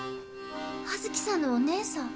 葉月さんのお姉さん？